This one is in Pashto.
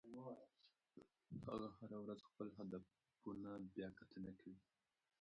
هغه هره ورځ خپل هدفونه بیاکتنه کوي.